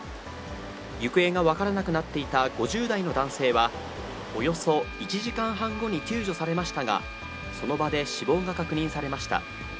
行方が分からなくなっていた５０代の男性は、およそ１時間半後に救助されましたが、その場で死亡が確認されました。